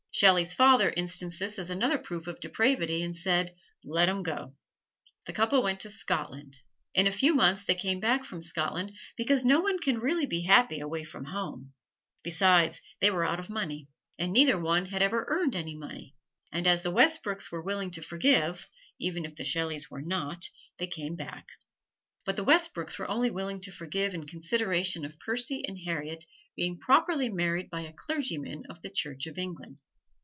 Shelley's father instanced this as another proof of depravity and said, "Let 'em go!" The couple went to Scotland. In a few months they came back from Scotland, because no one can really be happy away from home. Besides they were out of money and neither one had ever earned any money and as the Westbrooks were willing to forgive, even if the Shelleys were not, they came back. But the Westbrooks were only willing to forgive in consideration of Percy and Harriet being properly married by a clergyman of the Church of England.